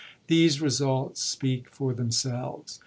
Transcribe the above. These results speak for themselves.